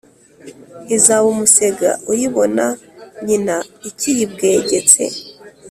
Izaba umusega uyibona n yina I,kiyibwegetse